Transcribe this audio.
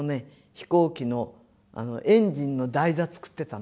飛行機のエンジンの台座作ってたの。